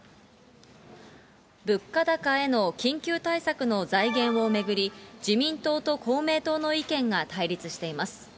物価高への緊急対策の財源を巡り、自民党と公明党の意見が対立しています。